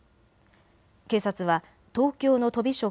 警察は東京のとび職、